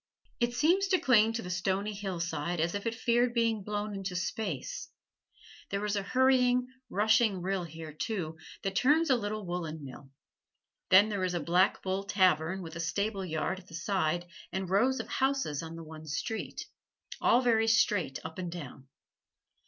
It seems to cling to the stony hillside as if it feared being blown into space. There is a hurrying, rushing rill here, too, that turns a little woolen mill. Then there is a "Black Bull" tavern, with a stable yard at the side and rows of houses on the one street, all very straight up and down.